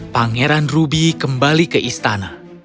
pangeran ruby kembali ke istana